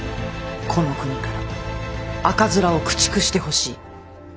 この国から赤面を駆逐してほしい。